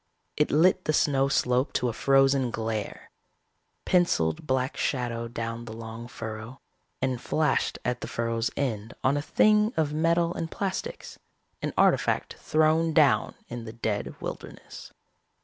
It lit the snow slope to a frozen glare, penciled black shadow down the long furrow, and flashed at the furrow's end on a thing of metal and plastics, an artifact thrown down in the dead wilderness.